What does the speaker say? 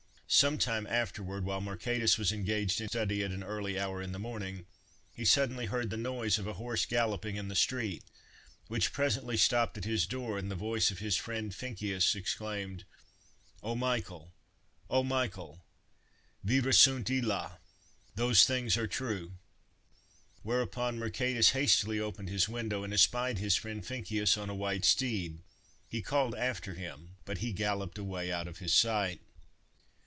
Some time afterward, while Mercatus was engaged in study at an early hour in the morning, he suddenly heard the noise of a horse galloping in the street, which presently stopped at his door, and the voice of his friend Ficinus exclaimed: "Oh, Michael! oh, Michael! vera sunt illa!—those things are true!" Whereupon Mercatus hastily opened his window and espied his friend Ficinus on a white steed. He called after him, but he galloped away out of his sight.